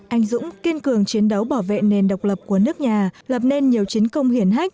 anh dũng kiên cường chiến đấu bảo vệ nền độc lập của nước nhà lập nên nhiều chiến công hiển hách